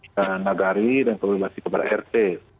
karena nagari dan kelelasan kepada rt